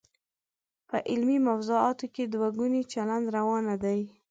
په علمي موضوعاتو کې دوه ګونی چلند روا نه دی.